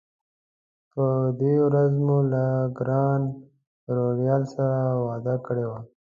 په دې ورځ مې له ګران روهیال سره وعده کړې وه.